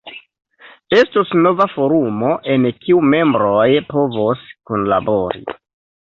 Estos nova forumo, en kiu membroj povos kunlabori.